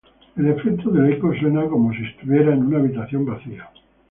El efecto del eco, suena como si estuviera en una habitación vacía.